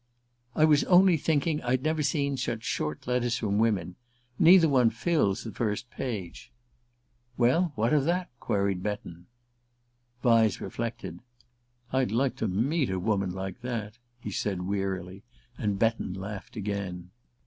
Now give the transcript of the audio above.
"I was only thinking I'd never seen such short letters from women. Neither one fills the first page." "Well, what of that?" queried Betton. Vyse reflected. "I'd like to meet a woman like that," he said wearily; and Betton laughed again.